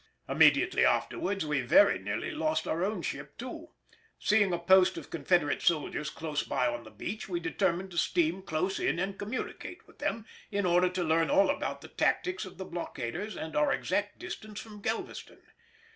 Immediately afterwards we very nearly lost our own ship too. Seeing a post of Confederate soldiers close by on the beach, we determined to steam close in and communicate with them in order to learn all about the tactics of the blockaders and our exact distance from Galveston.